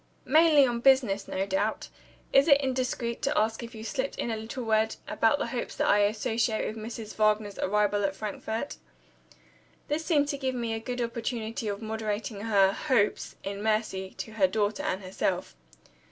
"Mainly on business, no doubt? Is it indiscreet to ask if you slipped in a little word about the hopes that I associate with Mrs. Wagner's arrival at Frankfort?" This seemed to give me a good opportunity of moderating her "hopes," in mercy to her daughter and to herself.